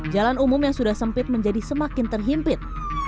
jalan umum yang sudah sempit menjadi semakin terhimpit